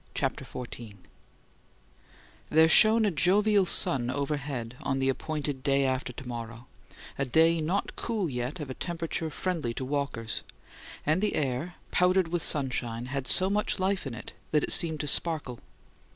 CHAPTER XIV There shone a jovial sun overhead on the appointed "day after to morrow"; a day not cool yet of a temperature friendly to walkers; and the air, powdered with sunshine, had so much life in it that it seemed to sparkle.